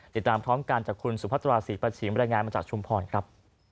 ติดตามท้องการจากคุณสุภัทราศรีปัชฌีบรรยายงานมาจากชุมภรณ์ครับ